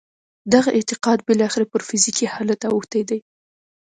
دغه اعتقاد بالاخره پر فزیکي حالت اوښتی دی